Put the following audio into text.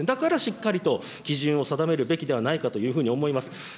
だからしっかりと基準を定めるべきではないかというふうに思います。